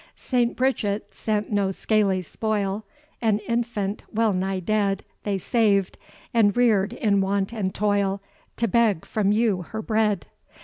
"St. Bridget sent no scaly spoil; An infant, wellnigh dead, They saved, and rear'd in want and toil, To beg from you her bread."